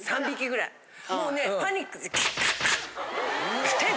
もうねパニックで。